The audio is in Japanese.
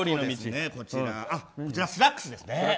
あと、こちらスラックスですね。